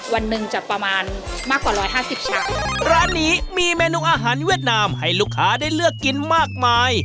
วันหนึ่งจะประมาณมากกว่าร้อยห้าสิบชามร้านนี้มีเมนูอาหารเวียดนามให้ลูกค้าได้เลือกกินมากมาย